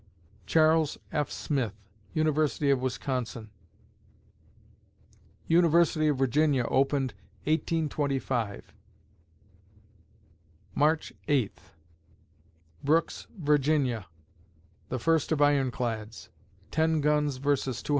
CHARLES F. SMITH (University of Wisconsin) University of Virginia opened, 1825 March Eighth BROOKE'S "VIRGINIA," THE FIRST OF IRONCLADS; 10 GUNS VERSUS 268